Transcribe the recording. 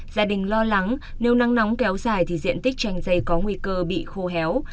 gia đình lo lắng nếu nắng nóng kéo dài thì diện tích chanh dây có nguy cơ bị khô héo